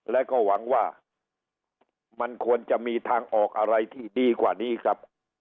และก็หวังว่ามันควรจะมีทางออกอะไรที่ดีกว่านี้ครับ